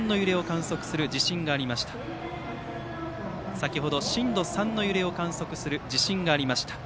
先程、震度３の揺れを観測する地震がありました。